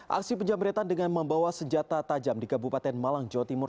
aksi penjamretan dengan membawa senjata tajam di kabupaten malang jawa timur